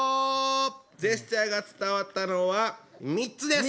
ジェスチャーが伝わったのは３つです！